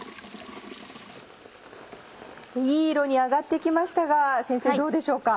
いい色に揚がって来ましたが先生どうでしょうか？